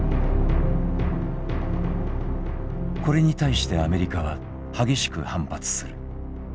これに対してアメリカは激しく反発する。